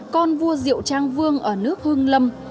con vua diệu trang vương ở nước hương lâm